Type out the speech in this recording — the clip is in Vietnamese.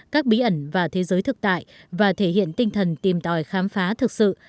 các bí ẩn và thế giới thực tại và thể hiện tinh thần tìm tòi khám phá thực sự